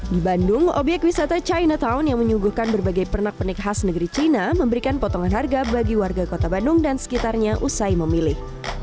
di bandung obyek wisata chinatown yang menyuguhkan berbagai pernak pernik khas negeri cina memberikan potongan harga bagi warga kota bandung dan sekitarnya usai memilih